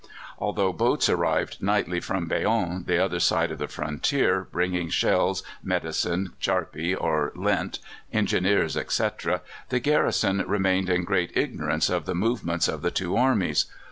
Although boats arrived nightly from Bayonne, the other side of the frontier, bringing shells, medicine, charpie, or lint, engineers, etc., the garrison remained in great ignorance of the movements of the two armies.